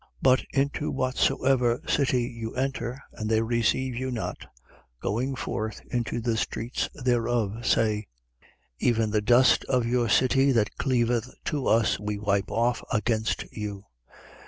10:10. But into whatsoever city you enter, and they receive you not, going forth into the streets thereof, say: 10:11. Even the very dust of your city that cleaveth to us, we wipe off against you.